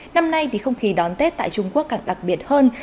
năm nay thì không khí đón tết tại trung quốc càng đặc biệt hơn